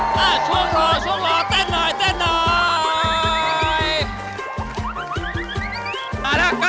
นี่เป็นใครเบื้องเหนือกว่าเดชานา